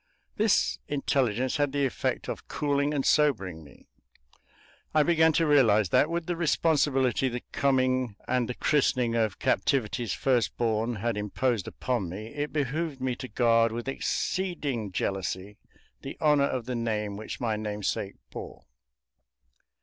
This intelligence had the effect of cooling and sobering me; I began to realize that, with the responsibility the coming and the christening of Captivity's first born had imposed upon me, it behooved me to guard with exceeding jealousy the honor of the name which my namesake bore.